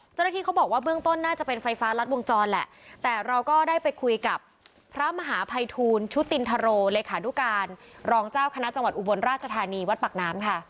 เจ้าหน้าที่เขาบอกว่าเบื้องต้นน่าจะเป็นไฟฟ้ารัดวงจรแหละแต่เราก็ได้ไปคุยกับพระมหาภัยทูลชุตินทโรเลขานุการรองเจ้าคณะจังหวัดอุบลราชธานีวัดปากน้ำค่ะ